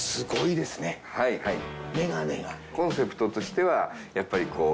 コンセプトとしてはやっぱりこう。